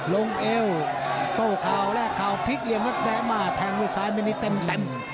ลงเอวโต้ข่าวและข่าวพลิกยังไม่ได้มาแทงด้วยซ้ายเมืองนี้เต็ม